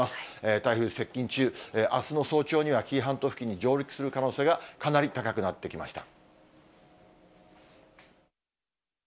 台風接近中、あすの早朝には紀伊半島付近に上陸する可能性がかなり高くなってきました。